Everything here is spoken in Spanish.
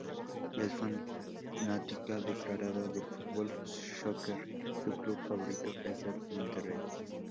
Es fanática declarada del fútbol soccer, su club favorito es el Monterrey.